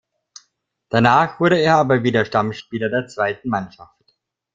Danach wurde er aber wieder Stammspieler der zweiten Mannschaft.